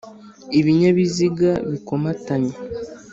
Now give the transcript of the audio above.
ibinyabiziga bikomatanye